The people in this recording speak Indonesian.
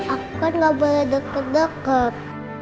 aku kan gak boleh deket deket